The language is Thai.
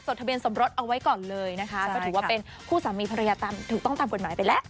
ทะเบียนสมรสเอาไว้ก่อนเลยนะคะก็ถือว่าเป็นคู่สามีภรรยาตามถูกต้องตามกฎหมายไปแล้ว